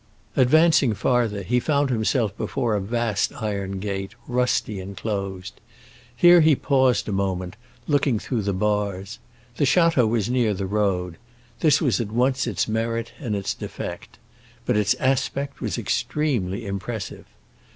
Advancing farther, he found himself before a vast iron gate, rusty and closed; here he paused a moment, looking through the bars. The château was near the road; this was at once its merit and its defect; but its aspect was extremely impressive.